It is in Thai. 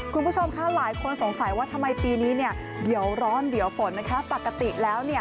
คุณผู้ชมค่ะหลายคนสงสัยว่าทำไมปีนี้เดี่ยวร้อนเดี่ยวฝนปกติแล้ว